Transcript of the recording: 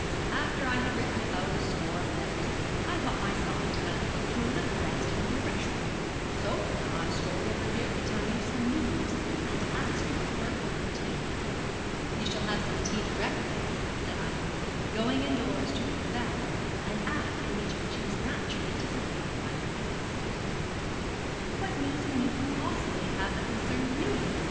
After I had written about a score of letters I thought myself entitled to a little rest and refreshment, so I strolled over here to tell you some news and to ask you for a cup of tea.' 'You shall have some tea directly,' said Ida, going indoors to ring the bell, an act in which she was naturally anticipated by her guest. 'What news can you possibly have that concerns me?'